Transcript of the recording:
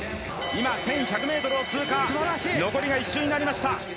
今１１００ｍを通過残りが１周になりました。